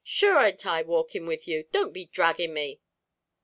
shure an't I walking with you; don't be dragging me!"